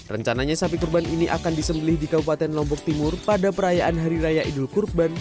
rencananya sapi kurban ini akan disembelih di kabupaten lombok timur pada perayaan hari raya idul kurban